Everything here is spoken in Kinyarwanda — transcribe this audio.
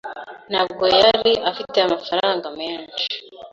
Ntabwo yari afite amafaranga menshi.